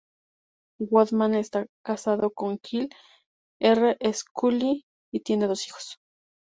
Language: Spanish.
Woodman está casado con Jill R. Scully y tienen dos hijos.